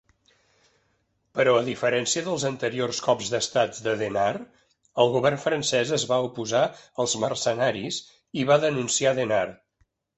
Però a diferència dels anteriors cops d'estat de Denard, el Govern francès es va oposar als mercenaris i va denunciar Denard.